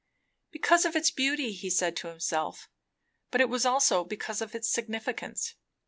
Because of its beauty, he said to himself; but it was also because of its significance.